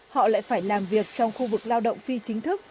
họ lại phải làm việc trong khu vực lao động phi chính thức